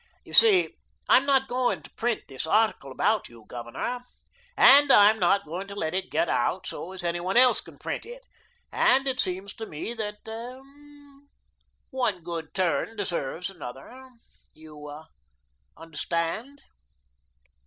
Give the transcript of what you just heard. You see, I'm not going to print this article about you, Governor, and I'm not going to let it get out so as any one else can print it, and it seems to me that one good turn deserves another. You understand?"